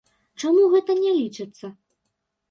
Чаму гэта не лічыцца?